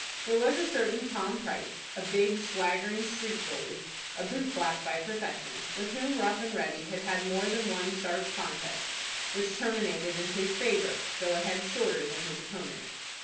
There was a certain Tom Price, a big, swaggering street bully, a boot black by profession, with whom Rough and Ready had had more than one sharp contest, which terminated in his favor, though a head shorter than his opponent.